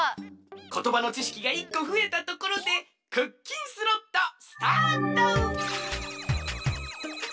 ことばのちしきが１こふえたところでクッキンスロットスタート！